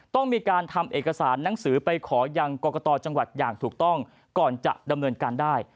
ต้องมีการทำเอกสารหนังสือไปขอยังกรกตจังหวัดอย่างถูกต้องก่อนจะดำเนินการได้